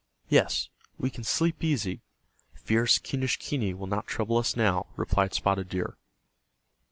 "Yes, we can sleep easy, fierce Quenischquney will not trouble us now," replied Spotted Deer.